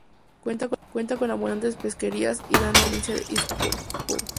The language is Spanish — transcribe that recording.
Cuenta con abundantes pesquerías y da nombre a la provincia de Issyk-Kul.